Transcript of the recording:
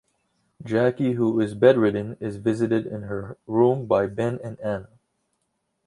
Jackie, who is bedridden, is visited in her room by Ben and Anna.